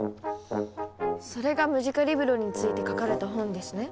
それがムジカリブロについて書かれた本ですね？